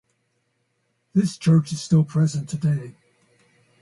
This church is still present today.